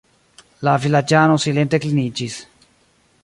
La vilaĝano silente kliniĝis.